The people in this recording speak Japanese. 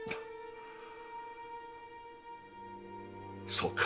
そうか。